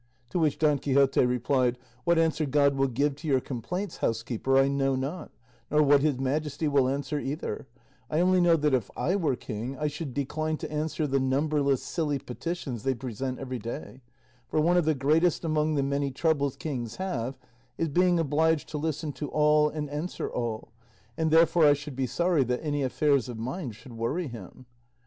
To which Don Quixote replied, "What answer God will give to your complaints, housekeeper, I know not, nor what his Majesty will answer either; I only know that if I were king I should decline to answer the numberless silly petitions they present every day; for one of the greatest among the many troubles kings have is being obliged to listen to all and answer all, and therefore I should be sorry that any affairs of mine should worry him."